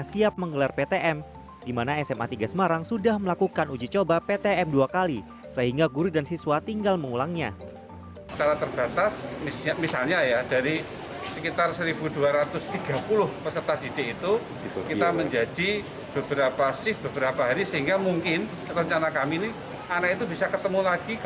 karena itu bisa ketemu lagi kembali lagi ke sekolah itu setelah dua minggu